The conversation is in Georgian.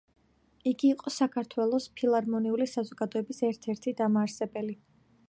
იგი იყო საქართველოს ფილარმონიული საზოგადოების ერთ-ერთი დამაარსებელი.